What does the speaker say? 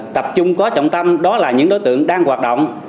tập trung có trọng tâm đó là những đối tượng đang hoạt động